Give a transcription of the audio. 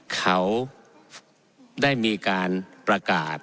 เขาได้มีการประกาศ